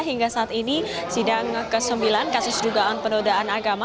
hingga saat ini sidang ke sembilan kasus dugaan penodaan agama